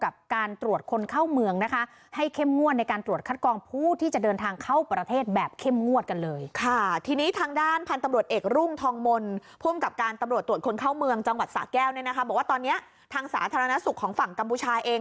บอกว่าตอนนี้ทางสาธารณสุขของฝั่งกัมพูชายเอง